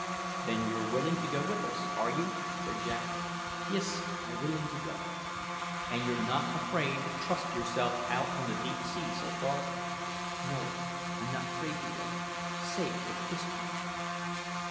"Then you're willing to go with us, are you?" said Jack. "Yis, I willing to go." "And you're not afraid to trust yourself out on the deep sea so far?" "No, I not 'fraid to go. Safe with Christian."